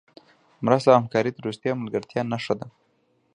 مرسته او همکاري د دوستۍ او ملګرتیا نښه ده.